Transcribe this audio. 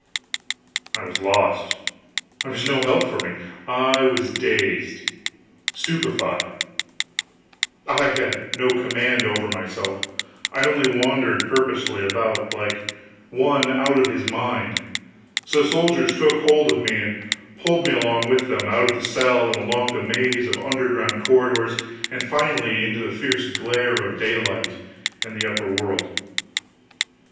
I was lost. There was no help for me. I was dazed, stupefied; I had no command over myself, I only wandered purposely about, like one out of his mind; so the soldiers took hold of me, and pulled me along with them, out of the cell and along the maze of underground corridors, and finally into the fierce glare of daylight and the upper world.